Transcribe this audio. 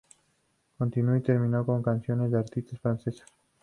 Continuó y terminó con canciones de artistas franceses.